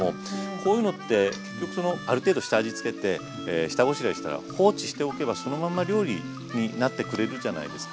こういうのって結局そのある程度下味つけて下ごしらえしたら放置しておけばそのまま料理になってくれるじゃないですか。